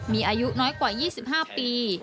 มีอายุน้อยกว่า๒๕ปี